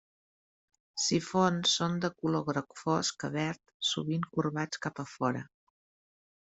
Sifons són de color groc fosc a verd sovint corbats cap a fora.